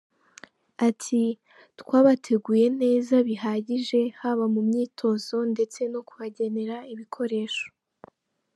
Ati” Twabateguye neza bihagije haba mu myitozo ndetse no kubagenera ibikoresho.